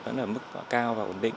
vẫn ở mức cao và ổn định